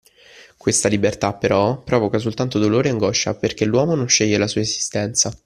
Questa libertà però provoca soltanto dolore e angoscia perché l'uomo non sceglie la sua esistenza